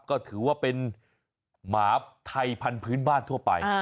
ก็ถือว่าเป็นหมาไทยพันธุ์บ้านทั่วไป